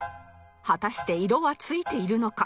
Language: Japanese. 果たして色は付いているのか？